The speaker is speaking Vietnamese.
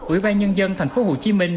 ủy ban nhân dân thành phố hồ chí minh